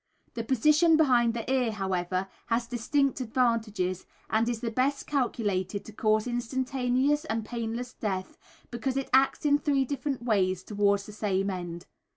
The position behind the ear, however, has distinct advantages and is the best calculated to cause instantaneous and painless death, because it acts in three different ways towards the same end.